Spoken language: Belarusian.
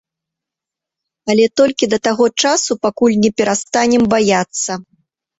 Але толькі да таго часу, пакуль не перастанем баяцца.